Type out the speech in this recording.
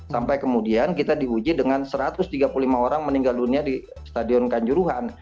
sampai kemudian kita diuji dengan satu ratus tiga puluh lima orang meninggal dunia di stadion kanjuruhan